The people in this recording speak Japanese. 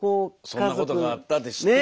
そんなことがあったって。